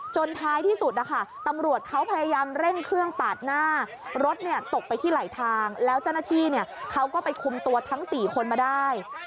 ท้ายที่สุดนะคะตำรวจเขาพยายามเร่งเครื่องปาดหน้ารถตกไปที่ไหลทางแล้วเจ้าหน้าที่เขาก็ไปคุมตัวทั้ง๔คนมาได้